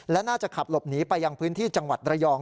และน่าจะขับหลบหนีไปยังพื้นที่จังหวัดระยอง